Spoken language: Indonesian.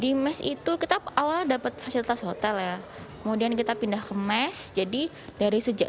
di mes itu kita awal dapat fasilitas hotel ya kemudian kita pindah ke mes jadi dari sejak